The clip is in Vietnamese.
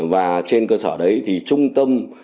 và trên cơ sở đấy thì trung tâm